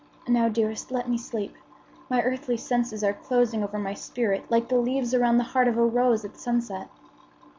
Now, dearest, let me sleep. My earthly senses are closing over my spirit like the leaves around the heart of a rose at sunset."